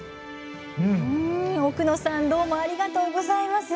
奥野さんどうもありがとうございます。